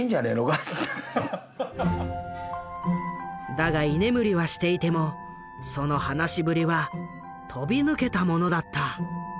だが居眠りはしていてもその話しぶりは飛び抜けたものだった。